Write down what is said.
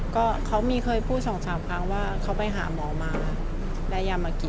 ก็เขามีเคยพูดสองสามครั้งว่าเขาไปหาหมอมาได้ยามากิน